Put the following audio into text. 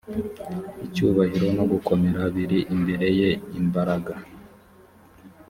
icyubahiro no gukomera biri imbere ye imbaraga